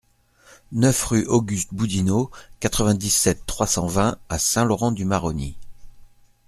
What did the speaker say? neuf rue Auguste Boudinot, quatre-vingt-dix-sept, trois cent vingt à Saint-Laurent-du-Maroni